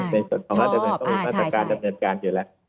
ในส่วนข้อมันแต่มันก็เป็นภาษาการดำเนินการอยู่แล้ว